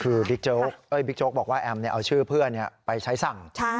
คือเบิ๊กโย๊กบอกว่าแอมเนี่ยเอาชื่อเพื่อนไปใช้สั่ง